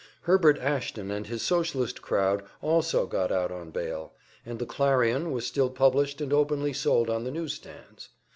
Herbert Ashton and his Socialist crowd also got out on bail, and the "Clarion" was still published and openly sold on the news stands.